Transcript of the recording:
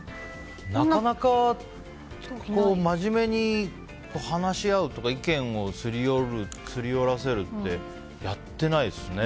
なかなか真面目に話し合うとか意見をすり合わせるってやったことないですね。